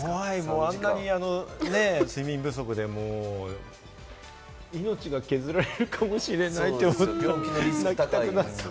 あんなに睡眠不足で、命が削られるかもしれないって思ったら。